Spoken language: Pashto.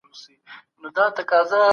د رسول الله خبره پر موږ واجب ده.